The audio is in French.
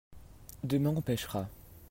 demain on pêchera.